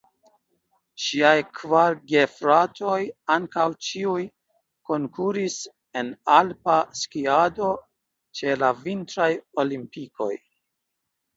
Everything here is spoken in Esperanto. Ŝiaj kvar gefratoj ankaŭ ĉiuj konkuris en alpa skiado ĉe la vintraj olimpikoj.